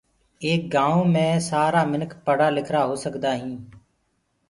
ايڪ گآئونٚ مي سآرآ منک پڙهرآ لکِرآ هو سگدآئينٚ